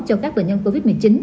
cho các bệnh nhân covid một mươi chín